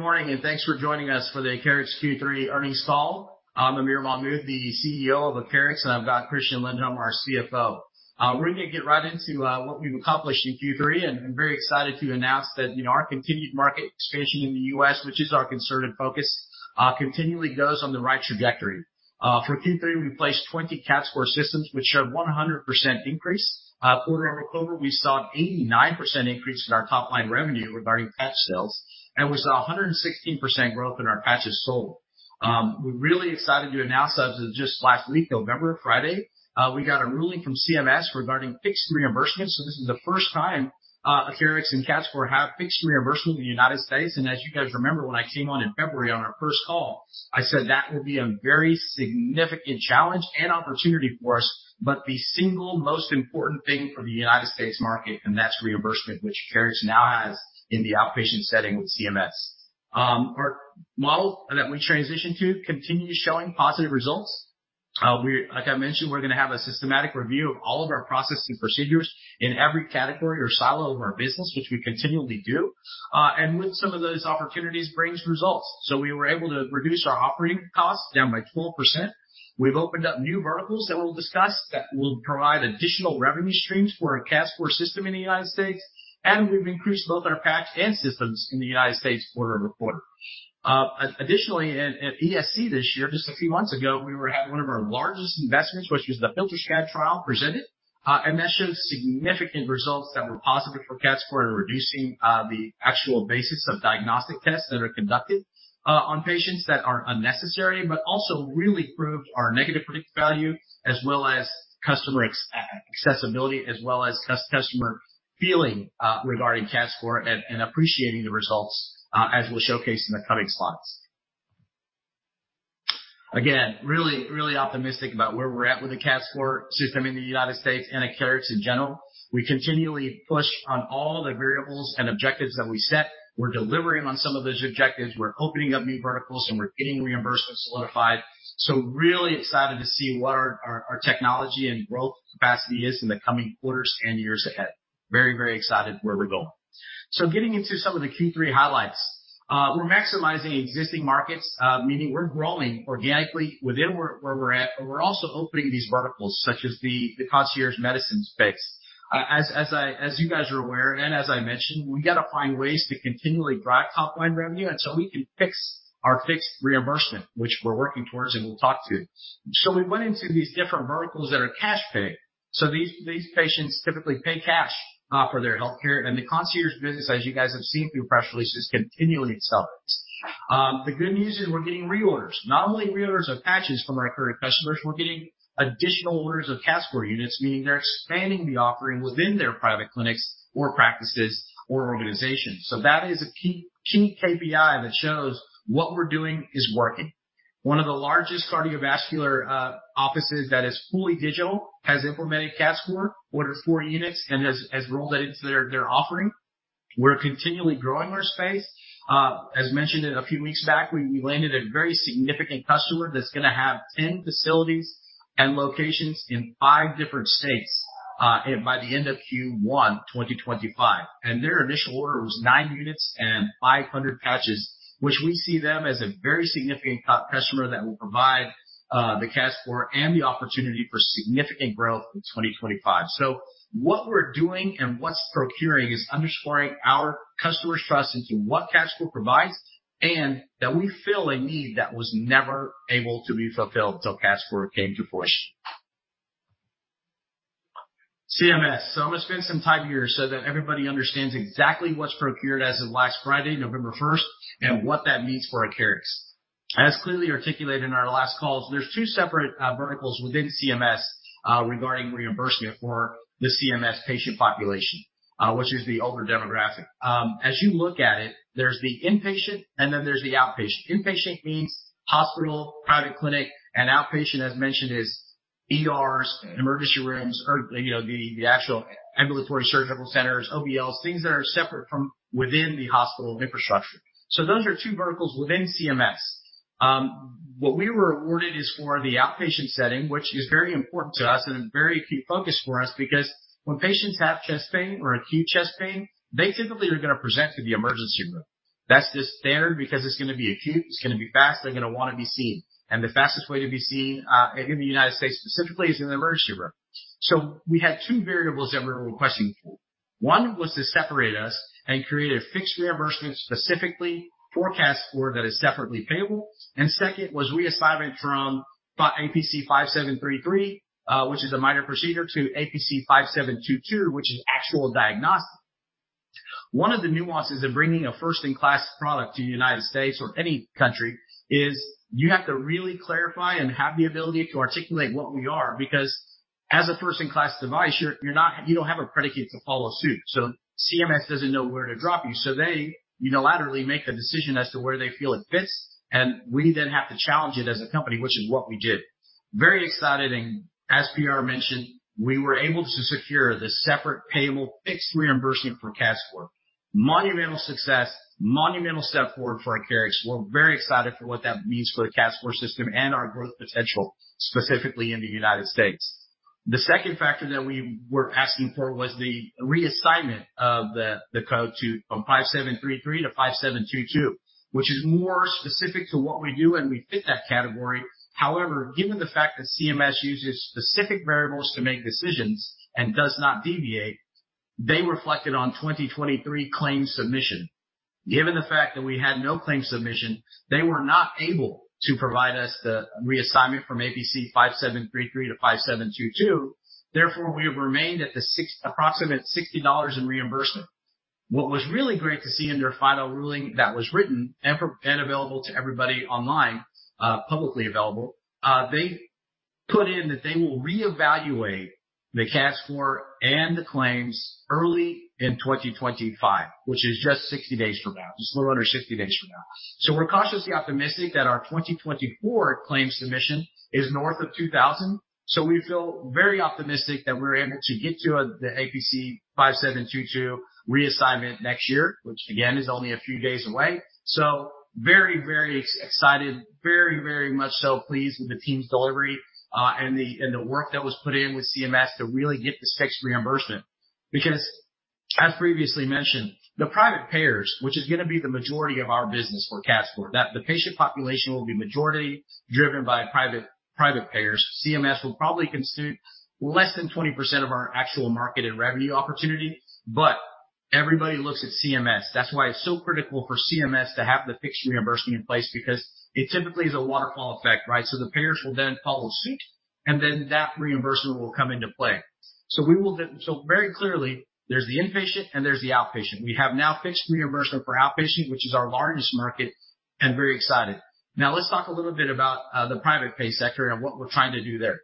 Good morning, and thanks for joining us for the Acarix Q3 earnings call. I'm Aamir Mahmood, the CEO of Acarix, and I've got Christian Lindholm, our CFO. We're going to get right into what we've accomplished in Q3, and I'm very excited to announce that our continued market expansion in the U.S., which is our concern and focus, continually goes on the right trajectory. For Q3, we placed 20 CADScor systems, which showed a 100% increase. Quarter-over-quarter, we saw an 89% increase in our top-line revenue regarding patch sales, and we saw 116% growth in our patches sold. We're really excited to announce that just last week, November, Friday, we got a ruling from CMS regarding fixed reimbursements. So this is the first time Acarix and CADScor have fixed reimbursement in the United States. As you guys remember, when I came on in February on our first call, I said that will be a very significant challenge and opportunity for us, but the single most important thing for the United States market, and that's reimbursement, which Acarix now has in the outpatient setting with CMS. Our model that we transitioned to continues showing positive results. Like I mentioned, we're going to have a systematic review of all of our processes and procedures in every category or silo of our business, which we continually do, and with some of those opportunities brings results. So we were able to reduce our operating costs down by 12%. We've opened up new verticals that we'll discuss that will provide additional revenue streams for our CADScor system in the United States, and we've increased both our patch and systems in the United States quarter-over-quarter. Additionally, at ESC this year, just a few months ago, we had one of our largest investments, which was the FILTER-SCAD trial presented, and that showed significant results that were positive for CADScor in reducing the actual basis of diagnostic tests that are conducted on patients that are unnecessary, but also really proved our negative predictive value as well as customer accessibility, as well as customer feeling regarding CADScor and appreciating the results, as we'll showcase in the coming slides. Again, really, really optimistic about where we're at with the CADScor system in the United States and Acarix in general. We continually push on all the variables and objectives that we set. We're delivering on some of those objectives. We're opening up new verticals, and we're getting reimbursements solidified. So really excited to see what our technology and growth capacity is in the coming quarters and years ahead. Very, very excited where we're going. So getting into some of the Q3 highlights, we're maximizing existing markets, meaning we're growing organically within where we're at, but we're also opening these verticals such as the concierge medicine space. As you guys are aware, and as I mentioned, we got to find ways to continually drive top-line revenue until we can fix our fixed reimbursement, which we're working towards and we'll talk to. So we went into these different verticals that are cash-pay. So these patients typically pay cash for their healthcare, and the concierge business, as you guys have seen through press releases, continually accelerates. The good news is we're getting reorders, not only reorders of patches from our current customers. We're getting additional orders of CADScor units, meaning they're expanding the offering within their private clinics or practices or organizations. That is a key KPI that shows what we're doing is working. One of the largest cardiovascular offices that is fully digital has implemented CADScor, ordered four units, and has rolled it into their offering. We're continually growing our space. As mentioned a few weeks back, we landed a very significant customer that's going to have 10 facilities and locations in five different states by the end of Q1, 2025. Their initial order was nine units and 500 patches, which we see them as a very significant customer that will provide the CADScor and the opportunity for significant growth in 2025. What we're doing and what's procuring is underscoring our customer's trust into what CADScor provides and that we fill a need that was never able to be fulfilled until CADScor came to fruition. CMS, so I'm going to spend some time here so that everybody understands exactly what's procured as of last Friday, November 1st, and what that means for Acarix. As clearly articulated in our last calls, there's two separate verticals within CMS regarding reimbursement for the CMS patient population, which is the older demographic. As you look at it, there's the inpatient, and then there's the outpatient. Inpatient means hospital, private clinic, and outpatient, as mentioned, is ERs, emergency rooms, or the actual ambulatory surgical centers, OBLs, things that are separate from within the hospital infrastructure. So those are two verticals within CMS. What we were awarded is for the outpatient setting, which is very important to us and a very acute focus for us because when patients have chest pain or acute chest pain, they typically are going to present to the emergency room. That's just standard because it's going to be acute, it's going to be fast, they're going to want to be seen. And the fastest way to be seen in the United States specifically is in the emergency room. So we had two variables that we were requesting for. One was to separate us and create a fixed reimbursement specifically for CADScor that is separately payable. And second was reassignment from APC 5733, which is a minor procedure, to APC 5722, which is actual diagnostic. One of the nuances of bringing a first-in-class product to the United States or any country is you have to really clarify and have the ability to articulate what we are because as a first-in-class device, you don't have a predicate to follow suit. So CMS doesn't know where to drop you. They unilaterally make the decision as to where they feel it fits, and we then have to challenge it as a company, which is what we did. Very excited, and as PR mentioned, we were able to secure the separate payable fixed reimbursement for CADScor. Monumental success, monumental step forward for Acarix. We're very excited for what that means for the CADScor System and our growth potential specifically in the United States. The second factor that we were asking for was the reassignment of the code from 5733 to 5722, which is more specific to what we do and we fit that category. However, given the fact that CMS uses specific variables to make decisions and does not deviate, they reflected on 2023 claim submission. Given the fact that we had no claim submission, they were not able to provide us the reassignment from APC 5733 to 5722. Therefore, we have remained at the approximate $60 in reimbursement. What was really great to see in their final ruling that was written and available to everybody online, publicly available, they put in that they will reevaluate the CADScor and the claims early in 2025, which is just 60 days from now, just a little under 60 days from now. So we're cautiously optimistic that our 2024 claim submission is north of 2,000. So we feel very optimistic that we're able to get to the APC 5722 reassignment next year, which again is only a few days away. So very, very excited, very, very much so pleased with the team's delivery and the work that was put in with CMS to really get the fixed reimbursement. Because as previously mentioned, the private payers, which is going to be the majority of our business for CADScor, the patient population will be majority driven by private payers. CMS will probably consume less than 20% of our actual marketed revenue opportunity, but everybody looks at CMS. That's why it's so critical for CMS to have the fixed reimbursement in place because it typically is a waterfall effect, right? So the payers will then follow suit, and then that reimbursement will come into play. So very clearly, there's the inpatient and there's the outpatient. We have now fixed reimbursement for outpatient, which is our largest market, and very excited. Now let's talk a little bit about the private pay sector and what we're trying to do there.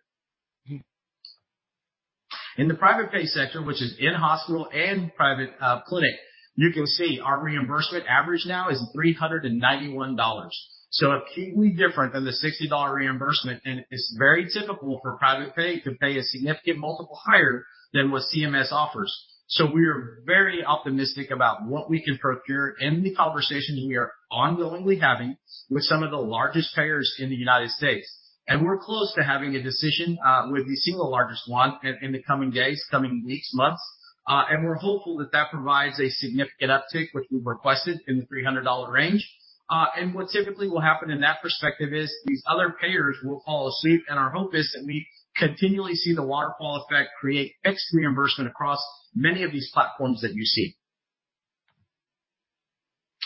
In the private pay sector, which is in-hospital and private clinic, you can see our reimbursement average now is $391. So acutely different than the $60 reimbursement, and it's very typical for private pay to pay a significant multiple higher than what CMS offers. So we are very optimistic about what we can procure in the conversations we are ongoingly having with some of the largest payers in the United States. And we're close to having a decision with the single largest one in the coming days, coming weeks, months. And we're hopeful that that provides a significant uptick, which we've requested in the $300 range. And what typically will happen in that perspective is these other payers will follow suit, and our hope is that we continually see the waterfall effect create fixed reimbursement across many of these platforms that you see.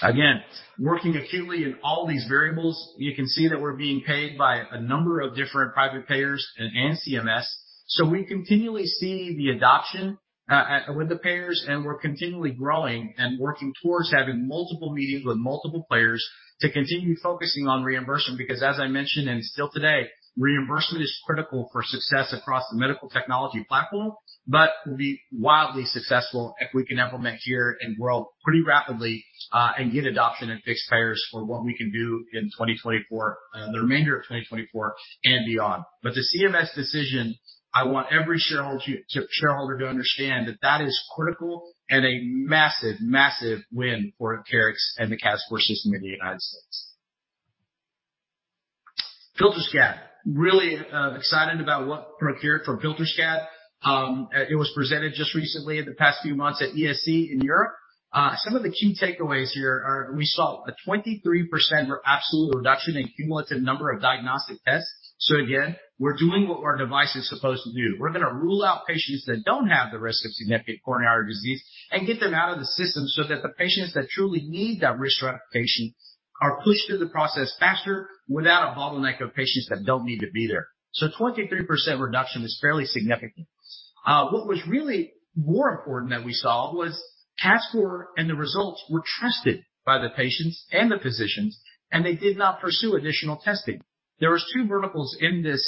Again, working acutely in all these variables, you can see that we're being paid by a number of different private payers and CMS. We continually see the adoption with the payers, and we're continually growing and working towards having multiple meetings with multiple players to continue focusing on reimbursement because, as I mentioned, and still today, reimbursement is critical for success across the medical technology platform, but we'll be wildly successful if we can implement here and grow pretty rapidly and get adoption and fixed payers for what we can do in 2024, the remainder of 2024 and beyond. But the CMS decision, I want every shareholder to understand that that is critical and a massive, massive win for Acarix and the CADScor System in the United States. FILTER-SCAD, really excited about what procured from FILTER-SCAD. It was presented just recently in the past few months at ESC in Europe. Some of the key takeaways here are we saw a 23% absolute reduction in cumulative number of diagnostic tests. So again, we're doing what our device is supposed to do. We're going to rule out patients that don't have the risk of significant coronary artery disease and get them out of the system so that the patients that truly need that risk stratification are pushed through the process faster without a bottleneck of patients that don't need to be there. So 23% reduction is fairly significant. What was really more important that we saw was CADScor and the results were trusted by the patients and the physicians, and they did not pursue additional testing. There were two verticals in this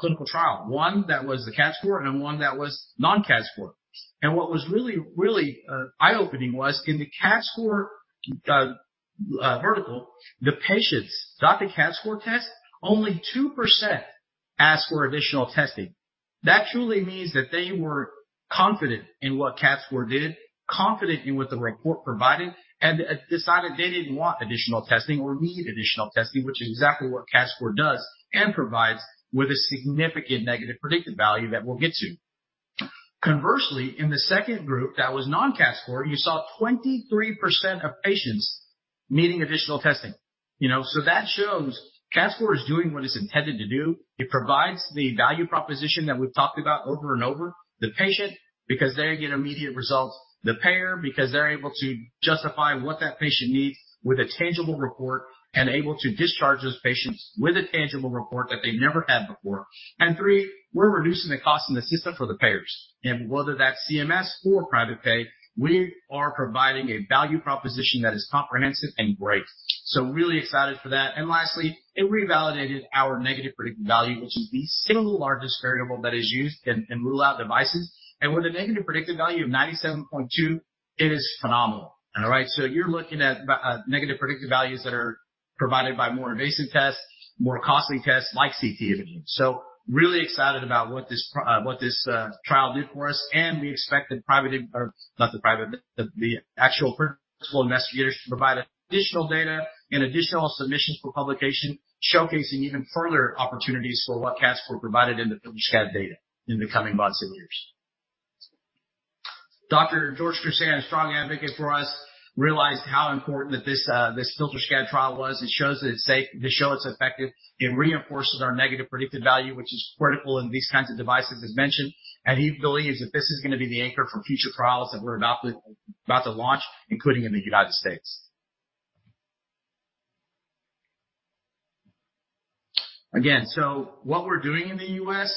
clinical trial, one that was the CADScor and one that was non-CADScor. And what was really, really eye-opening was in the CADScor vertical, the patients got the CADScor test, only 2% asked for additional testing. That truly means that they were confident in what CADScor did, confident in what the report provided, and decided they didn't want additional testing or need additional testing, which is exactly what CADScor does and provides with a significant negative predictive value that we'll get to. Conversely, in the second group that was non-CADScor, you saw 23% of patients needing additional testing. So that shows CADScor is doing what it's intended to do. It provides the value proposition that we've talked about over and over. The patient, because they get immediate results. The payer, because they're able to justify what that patient needs with a tangible report and able to discharge those patients with a tangible report that they never had before. And three, we're reducing the cost in the system for the payers. Whether that's CMS or private pay, we are providing a value proposition that is comprehensive and great. So really excited for that. And lastly, it revalidated our negative predictive value, which is the single largest variable that is used in rule-out devices. And with a negative predictive value of 97.2%, it is phenomenal. All right. So you're looking at negative predictive values that are provided by more invasive tests, more costly tests like CT imaging. So really excited about what this trial did for us. And we expect that private or not the private, the actual principal investigators to provide additional data and additional submissions for publication, showcasing even further opportunities for what CADScor provided in the FILTER-SCAD data in the coming months and years. Dr. George Grosu, a strong advocate for us, realized how important that this FILTER-SCAD trial was. It shows that it's safe, it shows it's effective. It reinforces our negative predictive value, which is critical in these kinds of devices, as mentioned. And he believes that this is going to be the anchor for future trials that we're about to launch, including in the United States. Again, so what we're doing in the U.S.,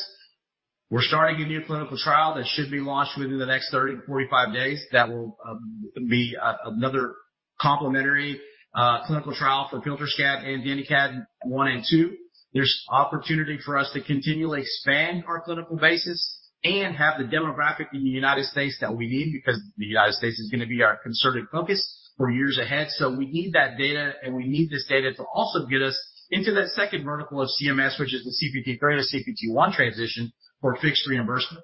we're starting a new clinical trial that should be launched within the next 30-45 days. That will be another complementary clinical trial for FILTER-SCAD and Dan-NICAD 1 and 2. There's opportunity for us to continually expand our clinical basis and have the demographic in the United States that we need because the United States is going to be our concerted focus for years ahead. So we need that data, and we need this data to also get us into that second vertical of CMS, which is the CPT-3 and CPT-1 transition for fixed reimbursement.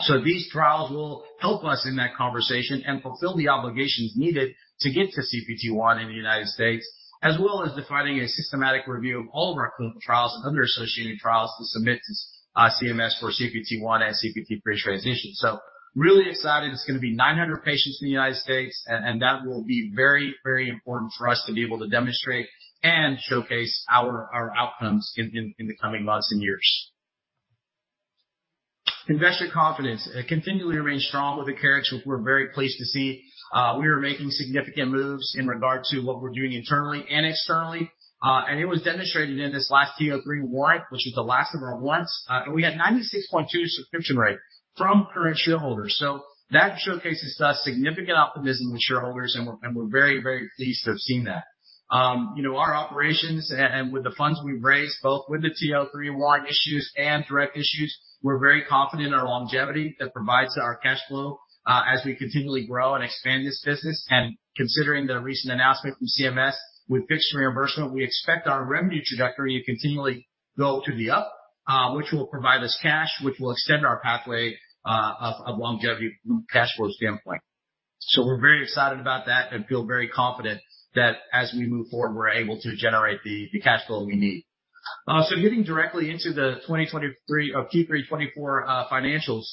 So these trials will help us in that conversation and fulfill the obligations needed to get to CPT-1 in the United States, as well as defining a systematic review of all of our clinical trials and other associated trials to submit to CMS for CPT-1 and CPT-3 transition. So really excited. It's going to be 900 patients in the United States, and that will be very, very important for us to be able to demonstrate and showcase our outcomes in the coming months and years. Investor confidence continually remains strong with Acarix, which we're very pleased to see. We are making significant moves in regard to what we're doing internally and externally. It was demonstrated in this last TO3 warrant, which was the last of our warrants. We had 96.2% subscription rate from current shareholders. That showcases us significant optimism with shareholders, and we're very, very pleased to have seen that. Our operations and with the funds we've raised, both with the TO3 warrant issues and direct issues, we're very confident in our longevity that provides our cash flow as we continually grow and expand this business. Considering the recent announcement from CMS with fixed reimbursement, we expect our revenue trajectory to continually go to the up, which will provide us cash, which will extend our pathway of longevity from a cash flow standpoint. We're very excited about that and feel very confident that as we move forward, we're able to generate the cash flow we need. So getting directly into the Q3 2024 financials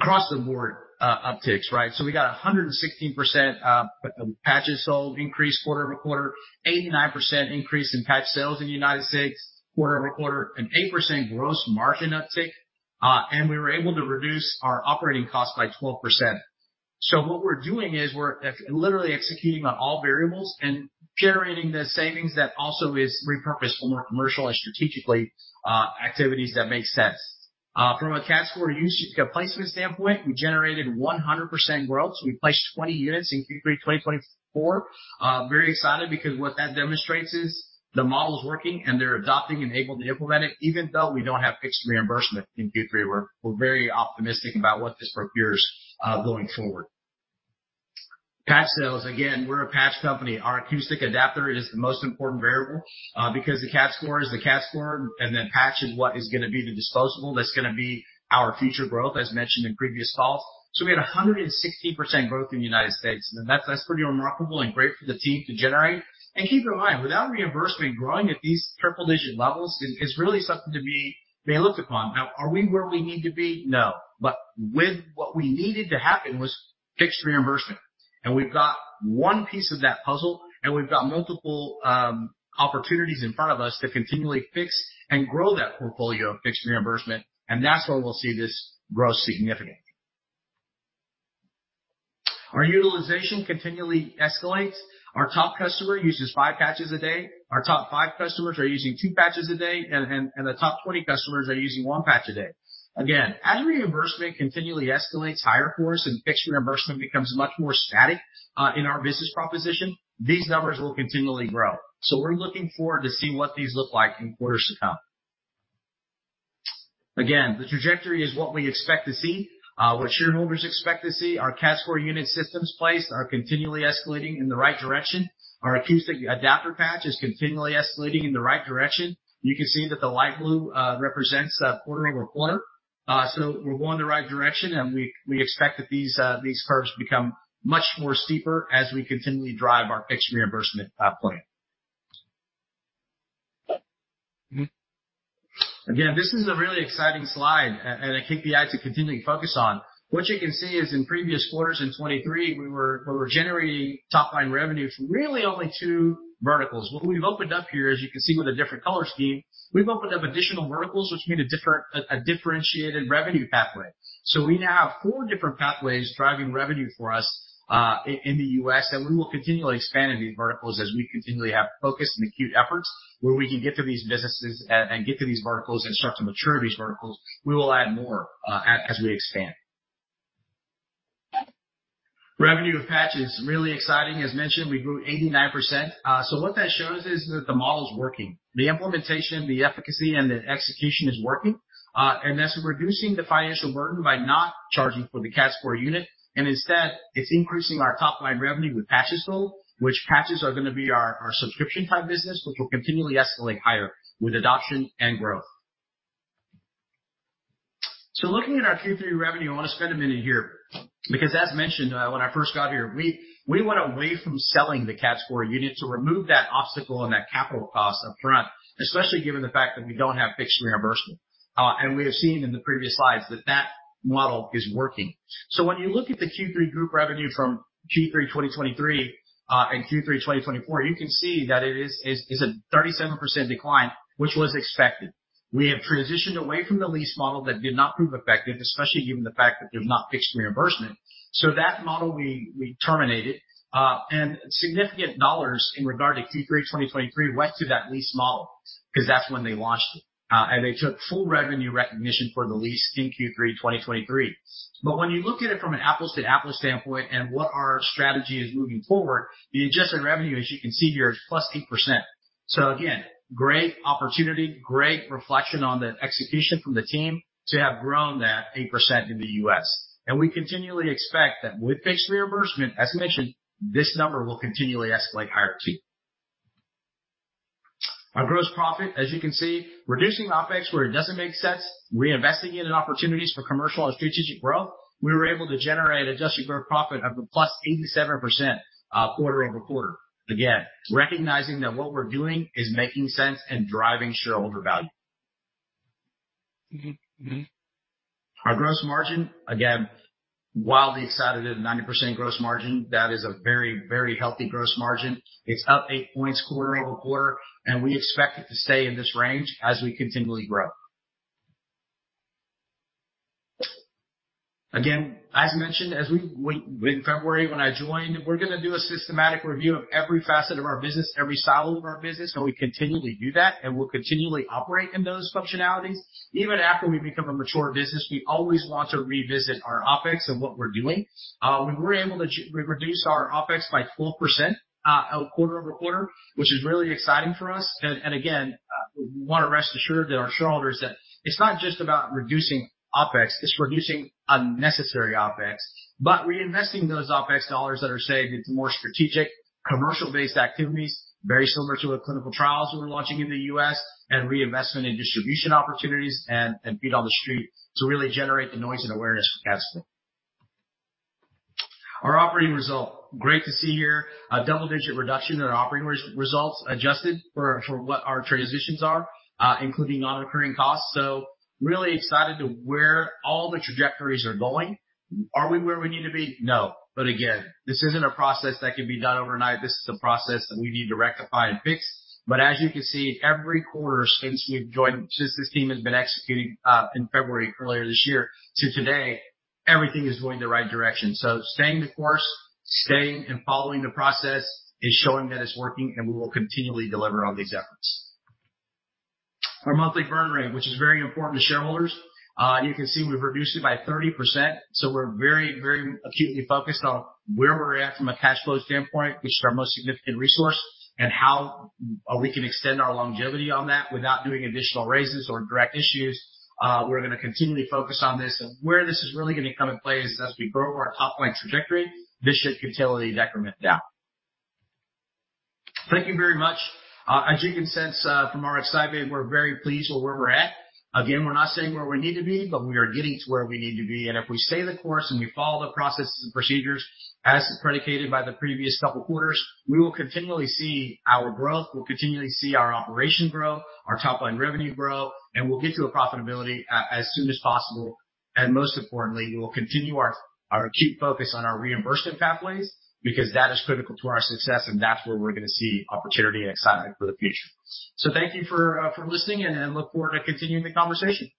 across the board upticks, right? So we got a 116% patches sold increase quarter-over-quarter, 89% increase in patch sales in the United States quarter-over-quarter, and 8% gross margin uptick. And we were able to reduce our operating cost by 12%. So what we're doing is we're literally executing on all variables and generating the savings that also is repurposed for more commercial and strategically activities that make sense. From a CADScor placement standpoint, we generated 100% growth. We placed 20 units in Q3 2024. Very excited because what that demonstrates is the model is working and they're adopting and able to implement it, even though we don't have fixed reimbursement in Q3. We're very optimistic about what this procures going forward. Patch sales, again, we're a patch company. Our acoustic adapter is the most important variable because the CADScor is the CADScor, and then patch is what is going to be the disposable that's going to be our future growth, as mentioned in previous calls. So we had 116% growth in the United States. And that's pretty remarkable and great for the team to generate. And keep in mind, without reimbursement, growing at these triple-digit levels is really something to be looked upon. Are we where we need to be? No. But what we needed to happen was fixed reimbursement. And we've got one piece of that puzzle, and we've got multiple opportunities in front of us to continually fix and grow that portfolio of fixed reimbursement. And that's where we'll see this grow significantly. Our utilization continually escalates. Our top customer uses five patches a day. Our top five customers are using two patches a day, and the top 20 customers are using one patch a day. Again, as reimbursement continually escalates, higher, fixed reimbursement becomes much more attractive in our business proposition, these numbers will continually grow, so we're looking forward to see what these look like in quarters to come. Again, the trajectory is what we expect to see, what shareholders expect to see. Our CADScor unit systems placed are continually escalating in the right direction. Our acoustic adapter patch is continually escalating in the right direction. You can see that the light blue represents quarter-over-quarter, so we're going the right direction, and we expect that these curves become much more steeper as we continually drive our fixed reimbursement plan. Again, this is a really exciting slide, and a KPI to continue to focus on. What you can see is in previous quarters in 2023, we were generating top-line revenue from really only two verticals. What we've opened up here, as you can see with a different color scheme, we've opened up additional verticals, which mean a differentiated revenue pathway. So we now have four different pathways driving revenue for us in the U.S., and we will continue to expand in these verticals as we continually have focused and acute efforts where we can get to these businesses and get to these verticals and start to mature these verticals. We will add more as we expand. Revenue of patch is really exciting. As mentioned, we grew 89%. So what that shows is that the model is working. The implementation, the efficacy, and the execution is working. And that's reducing the financial burden by not charging for the CADScor unit. And instead, it's increasing our top-line revenue with patches sold, which patches are going to be our subscription-type business, which will continually escalate higher with adoption and growth. So looking at our Q3 revenue, I want to spend a minute here because, as mentioned when I first got here, we went away from selling the CADScor unit to remove that obstacle on that capital cost upfront, especially given the fact that we don't have fixed reimbursement. And we have seen in the previous slides that that model is working. So when you look at the Q3 group revenue from Q3 2023 and Q3 2024, you can see that it is a 37% decline, which was expected. We have transitioned away from the lease model that did not prove effective, especially given the fact that there's not fixed reimbursement. That model we terminated, and significant dollars in regard to Q3 2023 went to that lease model because that's when they launched it. They took full revenue recognition for the lease in Q3 2023. When you look at it from an apples-to-apples standpoint and what our strategy is moving forward, the adjusted revenue, as you can see here, is plus 8%. Again, great opportunity, great reflection on the execution from the team to have grown that 8% in the U.S.. We continually expect that with fixed reimbursement, as mentioned, this number will continually escalate higher too. Our gross profit, as you can see, reducing OpEx where it doesn't make sense, reinvesting in opportunities for commercial and strategic growth. We were able to generate adjusted gross profit of a plus 87% quarter-over-quarter. Again, recognizing that what we're doing is making sense and driving shareholder value. Our gross margin, again, wildly excited at a 90% gross margin. That is a very, very healthy gross margin. It's up eight points quarter-over-quarter, and we expect it to stay in this range as we continually grow. Again, as mentioned, as we in February when I joined, we're going to do a systematic review of every facet of our business, every silo of our business, and we continually do that, and we'll continually operate in those functionalities. Even after we become a mature business, we always want to revisit our OpEx and what we're doing. We were able to reduce our OpEx by 12% quarter-over-quarter, which is really exciting for us. And again, we want to reassure our shareholders that it's not just about reducing OpEx. It's reducing unnecessary OpEx, but reinvesting those OpEx dollars that are saved into more strategic commercial-based activities, very similar to the clinical trials we're launching in the U.S., and reinvestment in distribution opportunities and feet on the street to really generate the noise and awareness for CADScor. Our operating result, great to see here, a double-digit reduction in our operating results adjusted for what our transitions are, including non-recurring costs, so really excited to where all the trajectories are going. Are we where we need to be? No, but again, this isn't a process that can be done overnight. This is a process that we need to rectify and fix. As you can see, every quarter since we've joined, since this team has been executing in February earlier this year to today, everything is going the right direction. Staying the course, staying and following the process is showing that it's working, and we will continually deliver on these efforts. Our monthly burn rate, which is very important to shareholders. You can see we've reduced it by 30%. We're very, very acutely focused on where we're at from a cash flow standpoint, which is our most significant resource, and how we can extend our longevity on that without doing additional raises or direct issues. We're going to continually focus on this. Where this is really going to come into play is as we grow our top-line trajectory, this should continually decrement down. Thank you very much. As you can sense from our excitement, we're very pleased with where we're at. Again, we're not saying where we need to be, but we are getting to where we need to be. And if we stay the course and we follow the processes and procedures as predicated by the previous couple of quarters, we will continually see our growth. We'll continually see our operation grow, our top-line revenue grow, and we'll get to a profitability as soon as possible. And most importantly, we will continue our acute focus on our reimbursement pathways because that is critical to our success, and that's where we're going to see opportunity and excitement for the future. So thank you for listening and look forward to continuing the conversation.